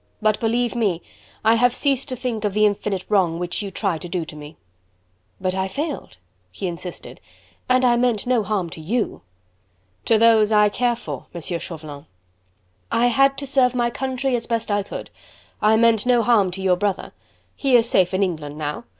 But believe me, I have ceased to think of the infinite wrong which you tried to do to me." "But I failed," he insisted, "and I meant no harm to YOU." "To those I care for, Monsieur Chauvelin." "I had to serve my country as best I could. I meant no harm to your brother. He is safe in England now.